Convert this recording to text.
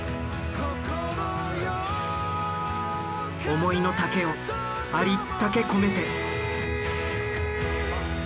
思いの丈をありったけ込めて。